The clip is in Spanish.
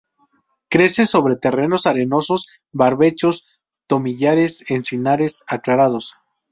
Crece sobre terrenos arenosos, barbechos, tomillares, encinares aclarados.